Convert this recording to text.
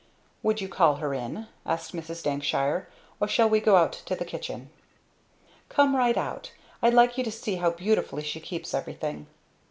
"Would you call her in?" asked Mrs. Dankshire, "or shall we go out to the kitchen?" "Come right out; I'd like you to see how beautifully she keeps everything."